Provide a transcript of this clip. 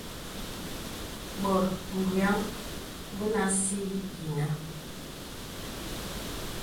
Bòt bùyaŋ bənə así yìnə.